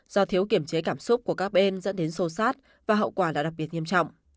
do thiếu kiểm chế cảm xúc của các bên dẫn đến sô sát và hậu quả đã đặc biệt nghiêm trọng